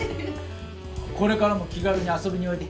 これからも気軽に遊びにおいで。